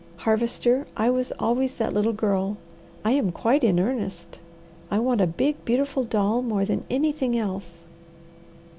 Harvester, I was always that little girl. I am quite in earnest. I want a big, beautiful doll more than anything else."